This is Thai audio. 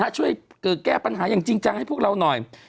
ช่วยแก้ปัญหาอย่างจริงจังให้พวกเราหน่อย